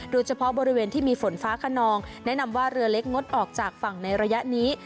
โดยเฉพาะบริเวณที่มีฝนฟ้าขนองแนะนำว่าเรือเล็กงดออกจากฝั่งในระยะนี้